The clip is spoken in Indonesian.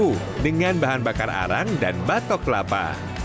bumbu dengan bahan bakar arang dan batok kelapa